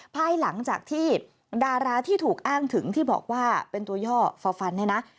ภายหลังจากที่ดาราที่ถูกอ้างถึงที่บอกว่าเป็นตัวย่อฟอร์ฟันเนี่ยนะ